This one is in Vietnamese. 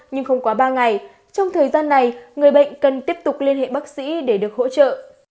nhưng không quá ba ngày trong thời gian này người bệnh cần tiếp tục liên hệ bác sĩ để được hỗ trợ